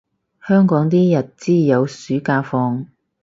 香港啲日資有暑假放